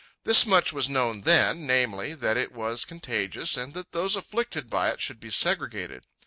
This much was known then, namely, that it was contagious and that those afflicted by it should be segregated.